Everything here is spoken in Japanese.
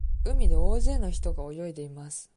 海で大勢の人が泳いでいます。